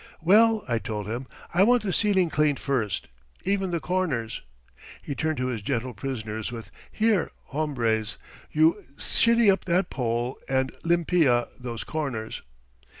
'Well,' I told him, 'I want the ceiling cleaned first, even the corners!' He turned to his gentle prisoners with 'Here, hombres, you shinny up that pole and limpia those corners!'